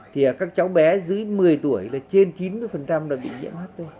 thì các cháu bé dưới một mươi tuổi là trên chín mươi là bị nhiễm h